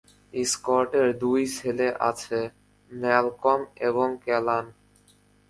স্কটের দুই ছেলে আছে, ম্যালকম এবং ক্যালান।